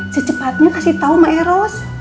secepatnya kasih tahu sama eros